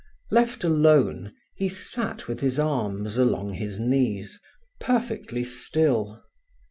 Left alone, he sat with his arms along his knees, perfectly still.